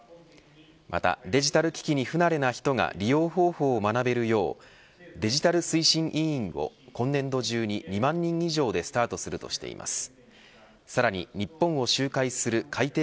またデジタル機器に不慣れな人が利用方法を学べるようデジタル推進委員を今年度中に２万人以上でスタートするとしています。